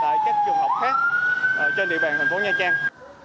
tại các trường học khác trên địa bàn thành phố nha trang